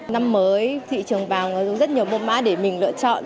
năm mới thị trường vàng có rất nhiều mẫu mã để mình lựa chọn